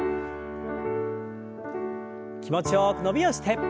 気持ちよく伸びをして。